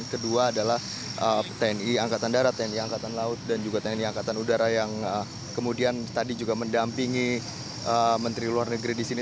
kedua adalah tni angkatan darat tni angkatan laut dan juga tni angkatan udara yang kemudian tadi juga mendampingi menteri luar negeri di sini